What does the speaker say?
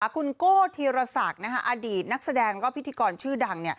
คุณโก้ธีรศักดิ์อดีตนักแสดงแล้วก็พิธีกรชื่อดัง